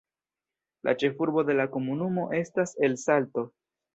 La ĉefurbo de la komunumo estas El Salto.